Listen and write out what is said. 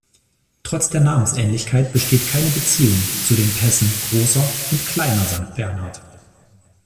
Trotz der Namensähnlichkeit besteht keine Beziehung zu den Pässen Grosser und Kleiner Sankt Bernhard.